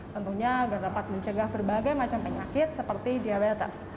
tentunya agar dapat mencegah berbagai macam penyakit seperti diabetes